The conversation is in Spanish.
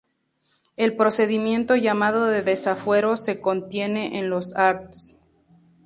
El procedimiento, llamado de "desafuero", se contiene en los arts.